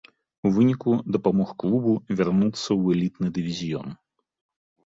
У выніку дапамог клубу вярнуцца ў элітны дывізіён.